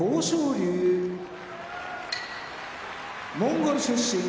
龍モンゴル出身